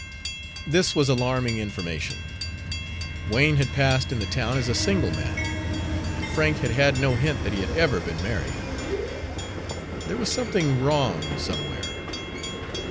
This was alarming information. Wain had passed in the town as a single man, and Frank had had no hint that he had ever been married. There was something wrong somewhere.